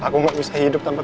kamu harus selamat